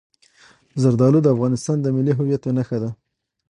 زردالو د افغانستان د ملي هویت یوه نښه ده.